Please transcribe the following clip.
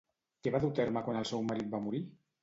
Què va dur a terme quan el seu marit va morir?